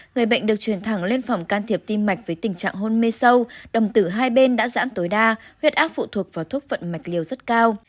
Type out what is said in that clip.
người bệnh được chuyển thẳng lên phòng can thiệp tim mạch với tình trạng hôn mê sâu đồng tử hai bên đã giãn tối đa huyết áp phụ thuộc vào thuốc vận mạch liều rất cao